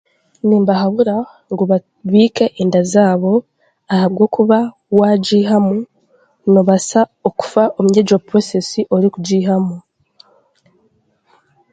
Nimbahabura ngu babiike enda zaabo ahabwokuba waagihamu noobasa kufa omuri egye purosesi orikugiihamu.